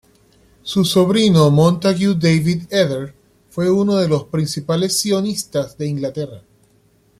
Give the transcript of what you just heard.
Su sobrino Montague David Eder fue uno de los principales sionistas de Inglaterra.